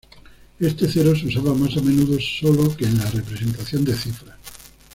Este cero se usaba más a menudo solo que en la representación de cifras.